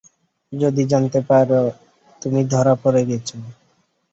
যদি জানতে পারে তুমি ধরা পড়ে গেছো।